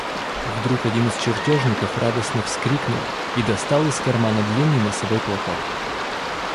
Вдруг один из чертежников радостно вскрикнул и достал из кармана длинный носовой платок.